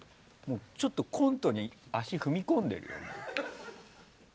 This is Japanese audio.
ちょっとコントに足を踏み込んでる。